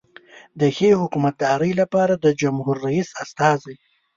د ښې حکومتدارۍ لپاره د جمهور رئیس استازی.